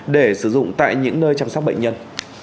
để sử dụng tại những nơi chăm sóc bệnh nhân